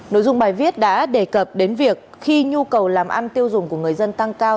nội dung bài viết đã đề cập đến việc khi nhu cầu làm ăn tiêu dùng của người dân tăng cao